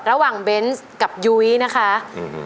ระหว่างเบนส์กับยุวินะคะอืมอืม